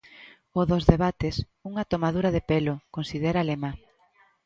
O dos debates, unha tomadura de pelo, considera Lema.